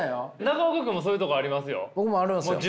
中岡君もそういうとこありますよ。